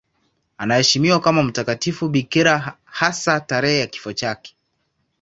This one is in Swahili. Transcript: Anaheshimiwa kama mtakatifu bikira, hasa tarehe ya kifo chake.